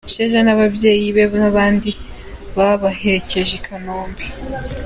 Sheja n'ababyeyi be n'abandi babaherekeje i Kanombe.